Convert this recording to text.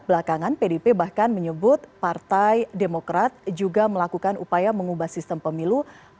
belakangan pdip bahkan menyebut partai demokrat juga melakukan upaya mengubah sistem pemilu